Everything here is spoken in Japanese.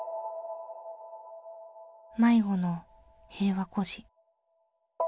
迷子の「平和孤児」。